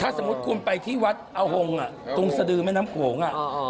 สมมุติคุณไปที่วัดอหงตรงสดือแม่น้ำโขง